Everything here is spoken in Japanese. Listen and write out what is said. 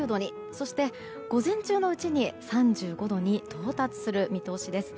そして、午前中のうちに３５度に到達する見通しです。